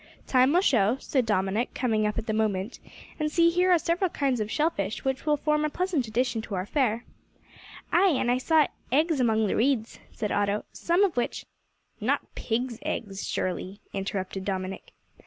"Time will show," said Dominick, coming up at the moment; "and see, here are several kinds of shellfish, which will form a pleasant addition to our fare." "Ay, and I saw eggs among the reeds," said Otto, "some of which " "Not pigs' eggs, surely?" interrupted Dominick.